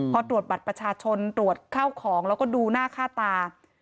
พอตรวจบัตรประชาชนตรวจข้าวของแล้วก็ดูหน้าค่าตา